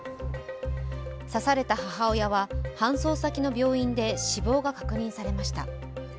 刺された母親は搬送先の病院で死亡が確認されました。